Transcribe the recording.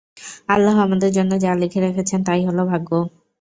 আল্লাহ আমাদের জন্য যা লিখে রেখেছেন তাই হলো ভাগ্য।